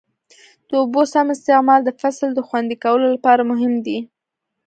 د اوبو سم استعمال د فصل د خوندي کولو لپاره مهم دی.